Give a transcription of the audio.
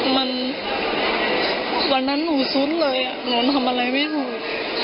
มันวันนั้นหนูซุดเลยหนูทำอะไรไม่ถูก